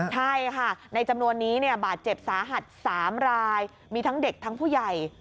ใช่ค่ะในจำนวนนี้บาดเจ็บสาหัส๓รายมีทั้งเด็กทั้งผู้ใหญ่